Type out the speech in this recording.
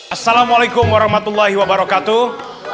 assalamualaikum warahmatullahi wabarakatuh